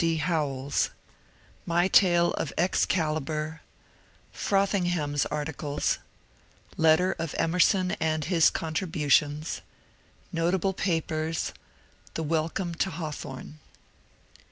D. Howells ~ My tale of Excalibor — Frothingham's articles — Letter of Emerson and his contribu tions — Notable papers — The welcome to Hawthorne.